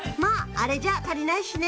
あれじゃ足りないしね